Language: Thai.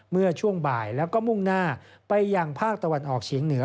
เมื่อช่วงบ่ายแล้วก็มุ่งหน้าไปยังภาคตะวันออกเฉียงเหนือ